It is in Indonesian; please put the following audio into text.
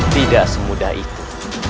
tidak semudah itu